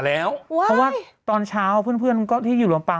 เพราะว่าตอนเช้าเพื่อนก็ที่อยู่ลำปาง